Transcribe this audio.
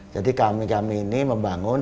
jadi kami kami ini membangun